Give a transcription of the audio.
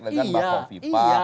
dengan pak fofipa